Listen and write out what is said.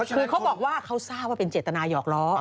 คือเขาบอกว่าเขาทราบว่าเป็นเจตนาหอกล้อ